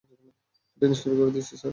সেটা নিষ্ক্রিয় করে দিয়েছি, স্যার।